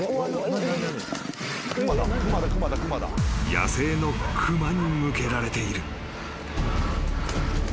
［野生の熊に向けられている］